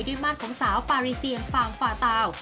มาตรของสาวฟารีเสียงฟางฟาตาว